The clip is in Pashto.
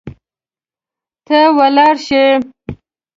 ته ولاړ شي